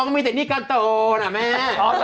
มีแต่นี่การโตน่ะแม่เขาเหรอ